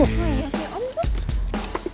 ya si om tuh